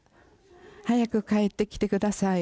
早く帰ってきて下さい。